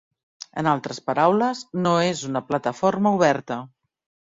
En altres paraules, no és una plataforma oberta.